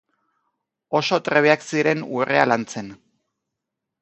Oso trebeak ziren urrea lantzen.